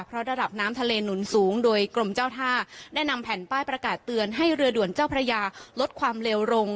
เพราะระดับน้ำทะเลหนุนสูงโดยกรมเจ้าท่าได้นำแผ่นป้ายประกาศเตือนให้เรือด่วนเจ้าพระยาลดความเร็วลง